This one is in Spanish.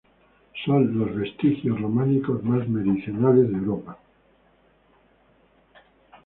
Son los vestigios románicos más meridionales de Europa.